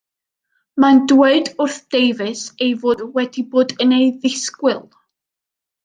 Mae'n dweud wrth Davies ei fod wedi bod yn ei ddisgwyl.